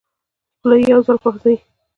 خوله یو ځل خوځي.